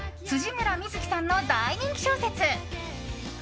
辻村深月さんの大人気小説。